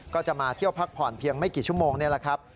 ก็จะมาเที่ยวพักผ่อนเพียงไม่กี่ชั่วโมงนี่แหละครับ